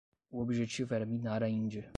O objetivo era minar a Índia